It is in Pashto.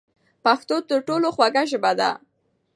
پښتو تر ټولو خوږه ژبه ده.